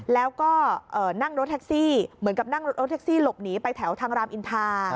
แล้วก็นั่งรถแท็กซี่เหมือนกับนั่งรถแท็กซี่หลบหนีไปแถวทางรามอินทา